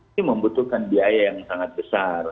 ini membutuhkan biaya yang sangat besar